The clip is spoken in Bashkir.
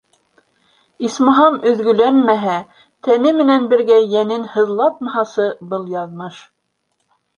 Исмаһам, өҙгөләнмәһә, тәне менән бергә йәнен һыҙлатмаһасы был яҙмыш!